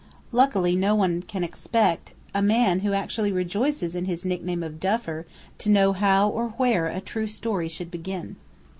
Luckily no one can expect a man who actually rejoices in his nickname of "Duffer" to know how or where a true story should begin.